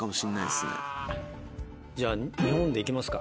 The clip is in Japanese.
じゃあ日本で行きますか。